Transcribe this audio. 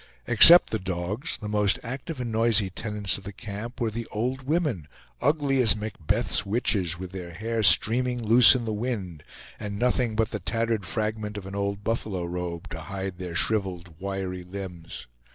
Except the dogs, the most active and noisy tenants of the camp were the old women, ugly as Macbeth's witches, with their hair streaming loose in the wind, and nothing but the tattered fragment of an old buffalo robe to hide their shriveled wiry limbs.